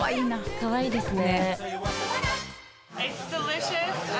かわいいですね。